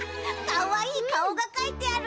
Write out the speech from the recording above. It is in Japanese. かわいいかおがかいてある。